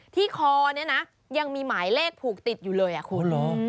คอเนี่ยนะยังมีหมายเลขผูกติดอยู่เลยอ่ะคุณ